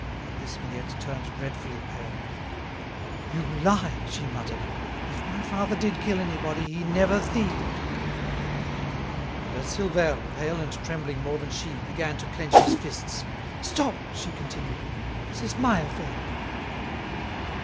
At this Miette turned dreadfully pale. "You lie!" she muttered. "If my father did kill anybody, he never thieved!" And as Silvère, pale and trembling more than she, began to clench his fists: "Stop!" she continued; "this is my affair."